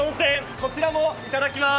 こちらもいただきます。